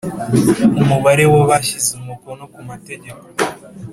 Umubare w abashyize umukono ku mategeko